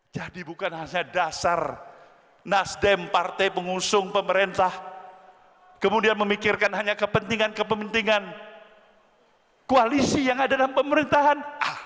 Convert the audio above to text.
jadi bukan hanya dasar nasdem partai pengusung pemerintah kemudian memikirkan hanya kepentingan kepentingan koalisi yang ada dalam pemerintahan